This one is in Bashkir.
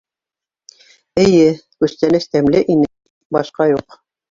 — Эйе, күстәнәс тәмле ине, тик башҡа юҡ.